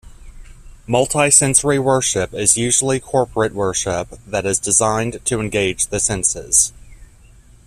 Multisensory worship is usually corporate worship that is designed to engage the senses.